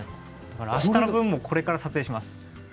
あしたの分もこれから撮影してます。